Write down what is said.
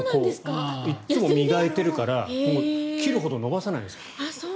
いつも磨いてるから切るほど伸ばさないんです。